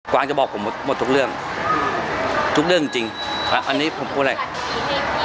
วางจะบอกผมหมดทุกเรื่องทุกเรื่องจริงจริงครับอันนี้ผมพูดอะไร